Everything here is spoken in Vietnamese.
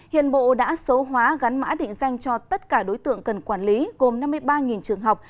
hiện bộ đã số hóa gắn mã định danh cho tất cả đối tượng cần quản lý gồm năm mươi ba trường học